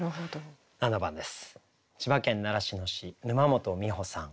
７番です。